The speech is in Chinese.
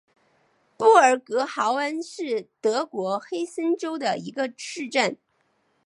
布尔格豪恩是德国黑森州的一个市镇。